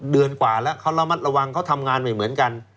เดือนกว่าแล้วเขาระมัดระวังเขาทำงานไม่เหมือนกัน